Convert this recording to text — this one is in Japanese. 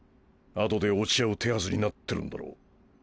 後で落ち合う手はずになってるんだろう。